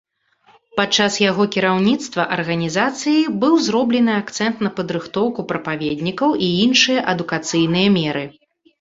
Падчас яго кіраўніцтва арганізацыяй быў зроблены акцэнт на падрыхтоўку прапаведнікаў і іншыя адукацыйныя меры.